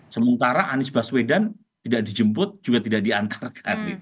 sementara anies baswedan tidak dijemput juga tidak diantarkan